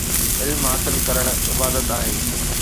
علم حاصل ڪرڻ عبادت آهي